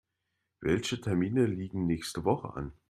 Welche Termine liegen nächste Woche an?